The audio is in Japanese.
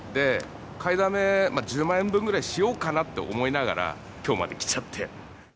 買いだめ１０万円分ぐらいしようかなって思いながら、きょうまで来ちゃって。